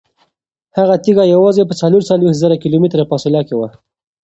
هغه تیږه یوازې په څلور څلوېښت زره کیلومتره فاصله کې وه.